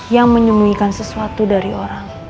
yang menyembunyikan sesuatu dari orang